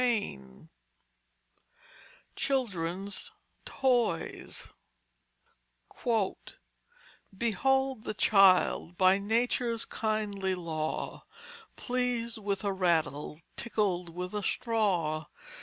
CHAPTER XVIII CHILDREN'S TOYS _Behold the child, by nature's kindly law Pleased with a rattle, tickled with a straw.